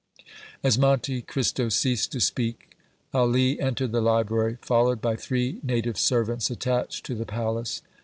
As Monte Cristo ceased to speak, Ali entered the library, followed by three native servants attached to the palace.